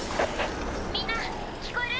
「みんな聞こえる？」